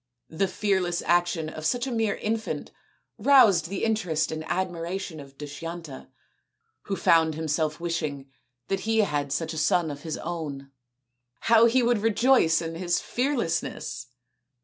The fearless action of such a mere infant roused the interest and admira tion of Dushyanta, who found himself wishing that he had such a son of his own. How he would rejoice in his fearlessness